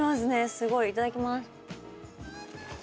すごい！いただきます。